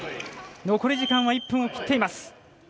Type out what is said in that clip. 残り時間は１分を切っています。